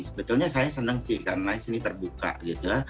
sebetulnya saya senang sih karena sini terbuka gitu